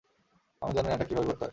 আমি জানি না এটা কিভাবে করতে হয়।